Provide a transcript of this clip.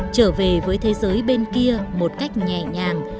trở về với thế giới bên kia một cách nhẹ nhàng